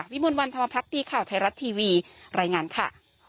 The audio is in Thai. วิมวลวันธรรมพักดีข่าวไทยรัฐทีวีรายงานค่ะ